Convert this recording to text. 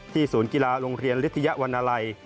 ศูนย์กีฬาโรงเรียนฤทยาวรรณาลัย